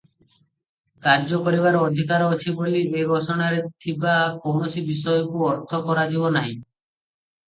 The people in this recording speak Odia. କାର୍ଯ୍ୟ କରିବାର ଅଧିକାର ଅଛି ବୋଲି ଏ ଘୋଷଣାରେ ଥିବା କୌଣସି ବିଷୟକୁ ଅର୍ଥ କରାଯିବ ନାହିଁ ।